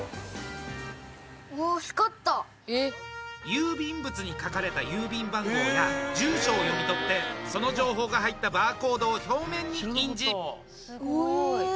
郵便物に書かれた郵便番号や住所を読み取ってその情報が入ったバーコードを表面に印字。